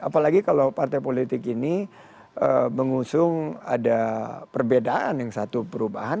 apalagi kalau partai politik ini mengusung ada perbedaan yang satu perubahan